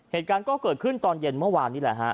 เหตุการณ์ก็เกิดขึ้นตอนเย็นเมื่อวานนี้แหละฮะ